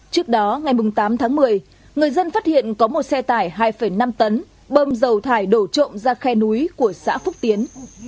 trước đó ngày tám tháng một mươi người dân phát hiện có một xe tải hai năm tấn bơm dầu thải đổ trộm ra khe núi của xã phúc tiến